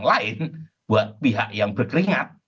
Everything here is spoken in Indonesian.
lain buat pihak yang berkeringat